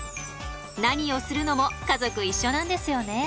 何をするのも家族一緒なんですよね？